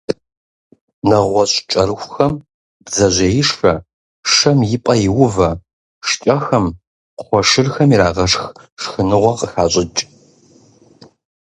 НэгъуэщӀ кӀэрыхухэм «бдзэжьеишэ», шэм и пӀэ иувэ, шкӀэхэм, кхъуэшырхэм ирагъэшх шхыныгъуэ къыхащӀыкӀ.